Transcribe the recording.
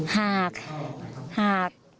หากหาก